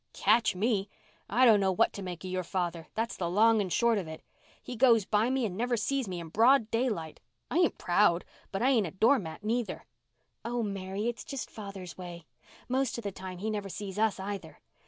"Catch me! I don't know what to make of your father, that's the long and short of it. He goes by me and never sees me in broad daylight. I ain't proud—but I ain't a door mat, neither!" "Oh, Mary, it's just father's way. Most of the time he never sees us, either.